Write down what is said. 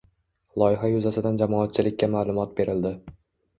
Loyiha yuzasidan jamoatchilikka ma’lumot berildi.